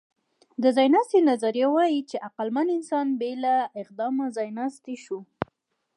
د ځایناستي نظریه وايي، چې عقلمن انسان بې له ادغام ځایناستی شو.